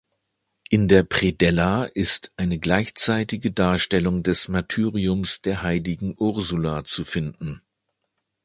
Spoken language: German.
In der Predella ist eine gleichzeitige Darstellung des Martyriums der heiligen Ursula zu finden.